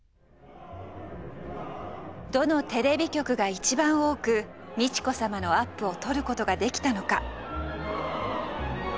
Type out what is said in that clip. どのテレビ局が一番多く美智子さまのアップを撮る事ができたのか。